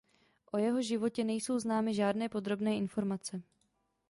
O jeho životě nejsou známy žádné podrobné informace.